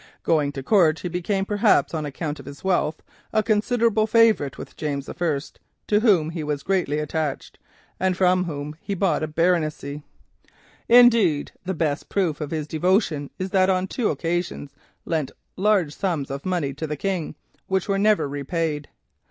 Going to court, he became, perhaps on account of his wealth, a considerable favourite with James I., to whom he was greatly attached and from whom he bought a baronetcy. Indeed, the best proof of his devotion is, that he on two occasions lent large sums of money to the King which were never repaid.